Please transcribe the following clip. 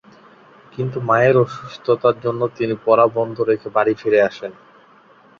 কিন্তু মায়ের অসুস্থতার জন্য তিনি পড়া বন্ধ রেখে বাড়ি ফিরে আসেন।